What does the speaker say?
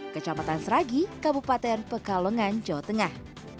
kecamatan seragi kabupaten pekalongan jawa tengah